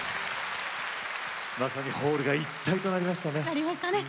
まさにホールが一体となりましたね。